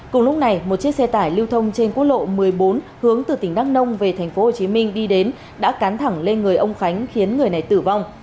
cùng lúc này một chiếc xe tải lưu thông trên quốc lộ một mươi bốn hướng từ tỉnh đắk nông về tp hcm đi đến đã cắn thẳng lên người ông khánh khiến người này tử vong